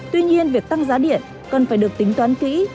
tuy nhiên việc tăng giá điện cần phải được tính toán kỹ